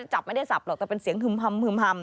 จับไม่ได้สับหรอกแต่เป็นเสียงฮึมฮำฮึมฮำ